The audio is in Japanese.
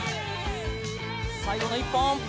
最後の１本。